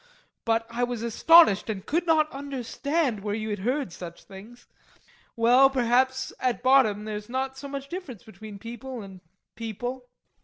But I was astonished and could not understand where you had heard such things. Well, perhaps at bottom there's not so much difference between people and people. JULIE.